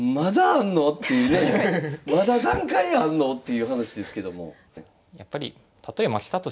まだ何回あんの？っていう話ですけども。